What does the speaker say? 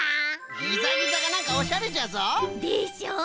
ギザギザがなんかおしゃれじゃぞ！でしょ？